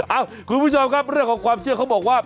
เอ้าคุณผู้ชมครับเรื่องของความเชื่อเขาบอกว่า